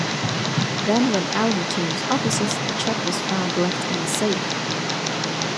Then when Allen changed offices, the check was found left in the safe.